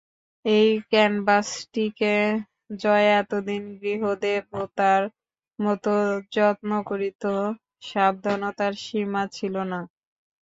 এই ক্যানভাসটিকে জয়া এতদিন গৃহদেবতার মতো যত্ন করিত, সাবধানতার সীমা ছিল না।